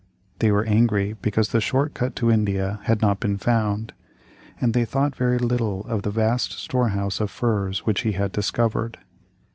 They were angry because the short cut to India had not been found, and they thought very little of the vast storehouse of furs which he had discovered.